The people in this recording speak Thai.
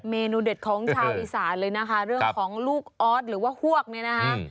เมนูเด็ดของชาวอีสานเลยนะคะเรื่องของลูกออสหรือว่าฮวกเนี่ยนะคะ